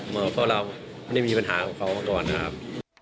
เพราะเราไม่ได้มีปัญหากับเขามาก่อนนะครับ